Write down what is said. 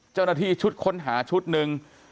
เจ้าหน้าที่ชุดค้นหาชุดหนึ่ง